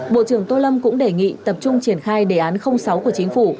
bộ trưởng tô lâm cũng đề nghị tập trung triển khai đề án sáu của chính phủ